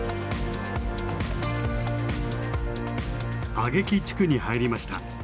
阿下喜地区に入りました。